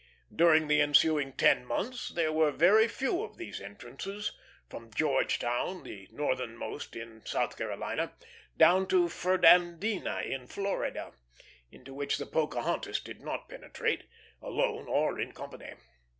During the ensuing ten months there were very few of these entrances, from Georgetown, the northernmost in South Carolina, down to Fernandina, in Florida, into which the Pocahontas did not penetrate, alone or in company.